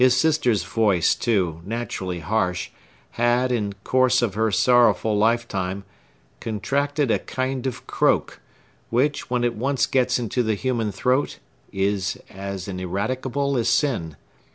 His sister's voice, too, naturally harsh, had, in the course of her sorrowful lifetime, contracted a kind of croak, which, when it once gets into the human throat, is as ineradicable as sin.